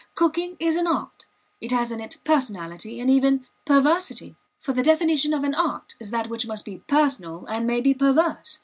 Cooking is an art; it has in it personality, and even perversity, for the definition of an art is that which must be personal and may be perverse.